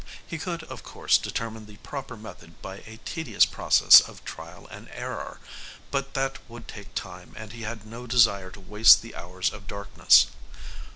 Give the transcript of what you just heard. He could, of course, determine the proper method by a tedious process of trial and error, but that would take time and he had no desire to waste the hours of darkness.